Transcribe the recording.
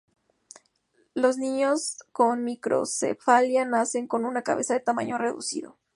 Los niños con microcefalia nacen con una cabeza de tamaño reducido.